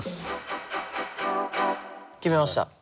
決めました。